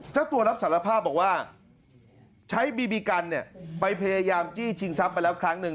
เจ้าตัวรับสารภาพบอกว่าใช้บีบีกันไปพยายามจี้ชิงทรัพย์ไปแล้วครั้งหนึ่ง